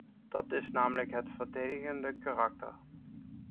Dat is namelijk het verdedigende karakter.